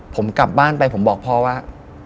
ผมกลับบ้านไปผมบอกพ่อว่า